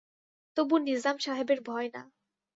তবু নিজাম সাহেবের ভয় না।